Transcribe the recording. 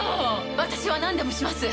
私はなんでもします！